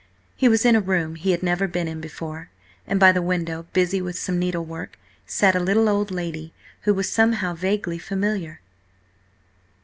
He was in a room he had never been in before, and by the window, busy with some needlework, sat a little old lady who was somehow vaguely familiar.